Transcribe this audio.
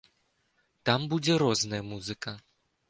Там будзе розная музыка.